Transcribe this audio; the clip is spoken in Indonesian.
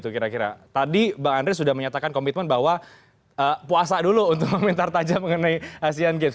kira kira tadi bang andre sudah menyatakan komitmen bahwa puasa dulu untuk komentar tajam mengenai asean games